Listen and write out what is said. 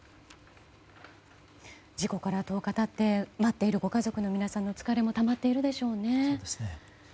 事故から１０日経って待っているご家族の疲れもたまっているでしょうね。